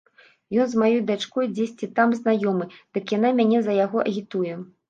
Ён з маёй дачкой дзесьці там знаёмы, дык яна мяне за яго агітуе.